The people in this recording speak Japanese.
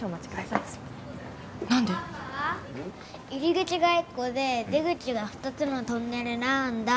パパ入り口が１個で出口が２つのトンネルなんだ？